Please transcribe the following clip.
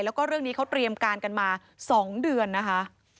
แล้วก็เรื่องนี้เขาเตรียมการกันมา๒เดือนนะคะ